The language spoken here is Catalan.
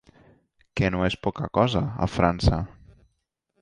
Que no és poca cosa a França.